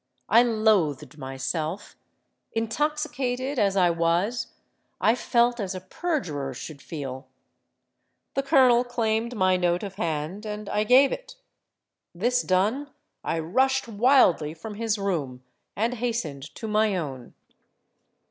I loathed myself: intoxicated as I was, I felt as a perjurer should feel. The colonel claimed my note of hand; and I gave it. This done, I rushed wildly from his room, and hastened to my own.